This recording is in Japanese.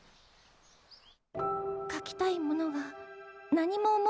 書きたいものが何も思い浮かばない。